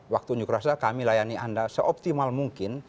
waktu unjuk rasa kami layani anda seoptimal mungkin